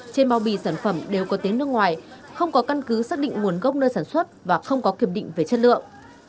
trên bao bì sản phẩm đều có tiếng nước ngoài không có căn cứ xác định nguồn gốc nơi sản xuất và không có kiểm định về chất lượng